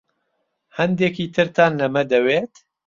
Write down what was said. هەندێکی ترتان لەمە دەوێت؟